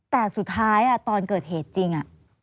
แต่สุดท้ายตอนเกิดเหตุจริง